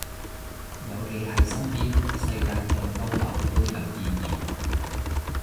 有你喺身邊，世界再荒謬都有意義